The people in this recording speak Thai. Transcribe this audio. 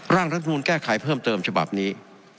ร่างรัฐสมนุนแก้ไขเพิ่มเติมฉบับนี้